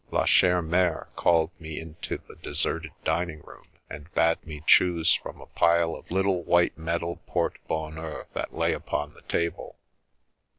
La Chere Mere called me into the deserted din ing room and bade me choose from a pile of little white metal porte bonheurs that lay upon the table.